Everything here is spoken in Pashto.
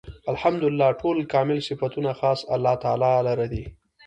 الحمد لله . ټول کامل صفتونه خاص الله تعالی لره دی